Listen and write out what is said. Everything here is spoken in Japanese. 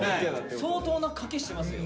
相当な賭けしてますよ。